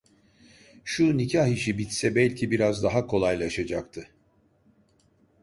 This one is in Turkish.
Şu nikâh işi bitse belki biraz daha kolaylaşacaktı.